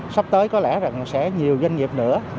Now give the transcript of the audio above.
sắp tới có lẽ rằng sẽ nhiều doanh nghiệp nữa